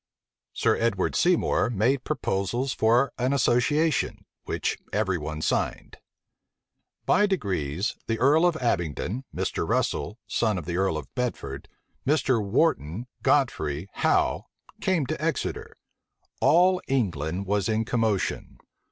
Sir Edward Seymour made proposals for an association, which every one signed. By degrees, the earl of Abingdon, Mr. Russel, son of the earl of Bedford, Mr. Wharton, Godfrey, Howe, came to Exeter. All England was in commotion.